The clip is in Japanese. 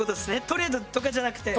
トレードとかじゃなくて。